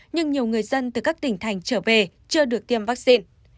nhưng nhiều người dân từ các tỉnh thành trở về chưa được tiêm vaccine